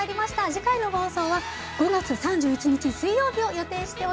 次回の放送は５月３１日水曜日を予定しております。